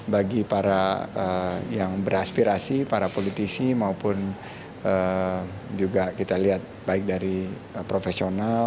bagi para yang beraspirasi para politisi maupun juga kita lihat baik dari profesional